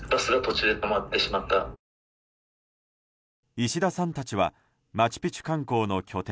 石田さんたちはマチュピチュ観光の拠点